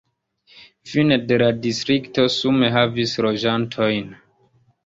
Fine de la distrikto sume havis loĝantojn.